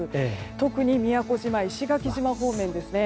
特に宮古島、石垣島方面ですね。